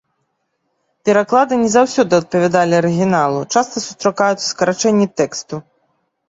Пераклады не заўсёды адпавядалі арыгіналу, часта сустракаюцца скарачэнні тэксту.